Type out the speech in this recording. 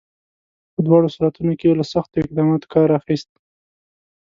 په دواړو صورتونو کې یې له سختو اقداماتو کار اخیست.